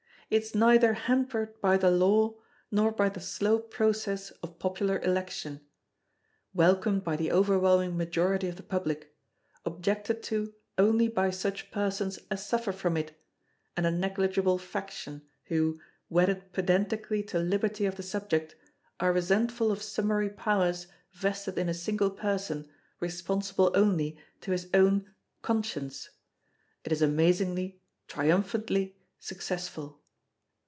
It is neither hampered by the Law nor by the slow process of popular election. Welcomed by the overwhelming majority of the public; objected to only by such persons as suffer from it, and a negligible faction, who, wedded pedantically to liberty of the subject, are resentful of summary powers vested in a single person responsible only to his own 'conscience'—it is amazingly, triumphantly, successful.